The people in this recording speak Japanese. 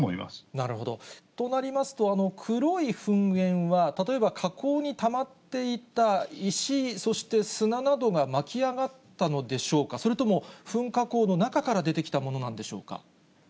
なるほど。となりますと、黒い噴煙は、例えば火口にたまっていた石、そして砂などが巻き上がったのでしょうか、それとも噴火口の中から出てきたものなんでしょうか。